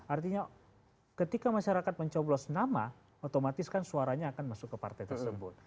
artinya ketika masyarakat mencoblos nama otomatis kan suaranya akan masuk ke partai tersebut